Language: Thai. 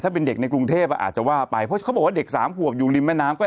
เป็นเด็กในกรุงเทพอาจจะว่าไปเพราะเขาบอกว่าเด็กสามขวบอยู่ริมแม่น้ำก็